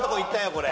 これ。